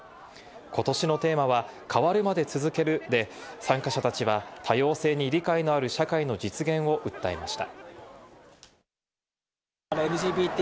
今年のテーマは「変わるまで、続ける」で参加者たちは多様性に理解のある社会の実現を訴えました。